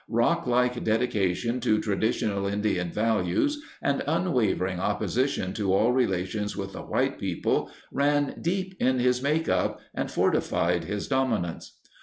Rocklike dedication to traditional Indian values and unwavering opposition to all relations with the white people ran deep in his makeup and fortified his dominance.